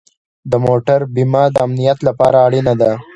د موټر بیمه د امنیت لپاره اړینه ده.